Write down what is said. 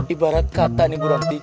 ibarat kata nih bu ranti